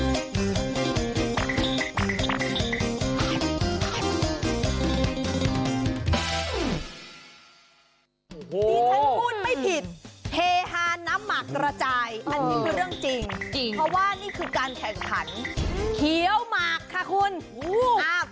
อันนี้คือเรื่องจริงเพราะว่านี่คือการแข่งขันเขียวหมักค่ะคุณ